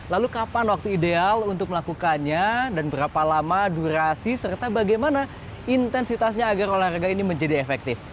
lalu kapan waktu ideal untuk melakukannya dan berapa lama durasi serta bagaimana intensitasnya agar olahraga ini menjadi efektif